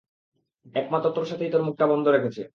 একমাত্র তোর সাথেই তার মুখটা বন্ধ রেখেছে।